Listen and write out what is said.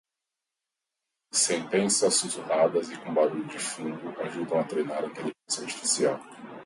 Sentenças sussurradas e com barulho de fundo ajudam a treinar a inteligência artificial